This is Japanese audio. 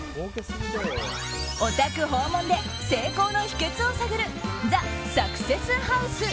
お宅訪問で成功の秘訣を探るＴＨＥサクセスハウス